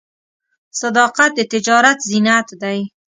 صداقت د تجارت زینت دی.